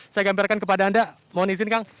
saya gambarkan kepada anda mohon izin kang